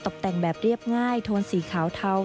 ตกแต่งแบบเรียบง่ายโทนสีขาวเทา